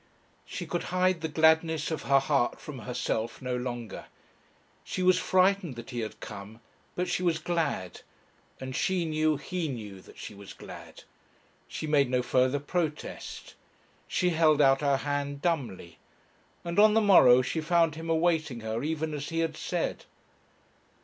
She could hide the gladness of her heart from herself no longer. She was frightened that he had come, but she was glad, and she knew he knew that she was glad. She made no further protest. She held out her hand dumbly. And on the morrow she found him awaiting her even as he had said.